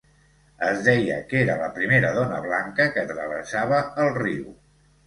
Es deia que era la primera dona blanca que travessava el riu.